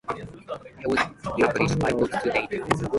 He has published five books to date.